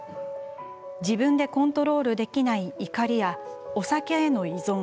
自分でコントロールできない怒りや、お酒への依存